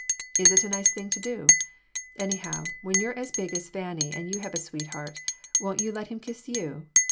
Is it a nice thing to do? Anyhow, when you're as big as Fanny and you have a sweetheart, won't you let him kiss you?"